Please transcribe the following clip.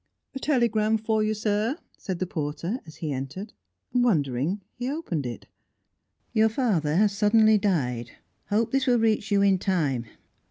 "A telegram for you, sir," said the porter, as he entered. Wondering, he opened it. "Your father has suddenly died. Hope this will reach you in time.